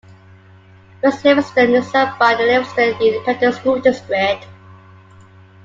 West Livingston is served by the Livingston Independent School District.